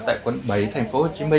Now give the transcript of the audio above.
tại quận bảy tp hcm